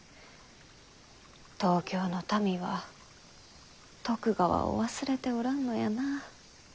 東京の民は徳川を忘れておらんのやなぁ。